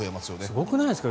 すごくないですか。